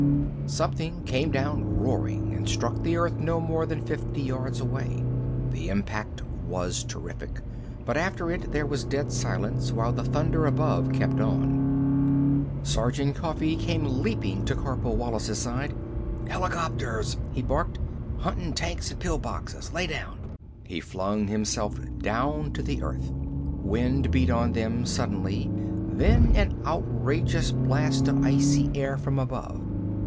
Something came down, roaring, and struck the earth no more than fifty yards away. The impact was terrific, but after it there was dead silence while the thunder above kept on. Sergeant Coffee came leaping to Corporal Wallis' side. "Helicopters!" he barked. "Huntin' tanks an' pill boxes! Lay down!" He flung himself down to the earth. Wind beat on them suddenly, then an outrageous blast of icy air from above.